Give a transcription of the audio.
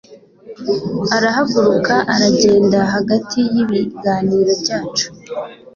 arahaguruka aragenda hagati y'ibiganiro byacu